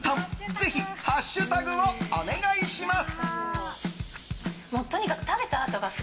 ぜひハッシュタグをお願いします。